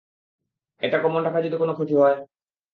এটা গোপন রাখায় যদি কোনো ক্ষতি হয়?